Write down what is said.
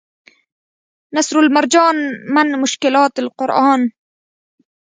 نصرالمرجان من مشکلات القرآن